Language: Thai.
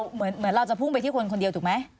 เหมือนเราจะพุ่งไปที่คนคนเดียวถูกไหม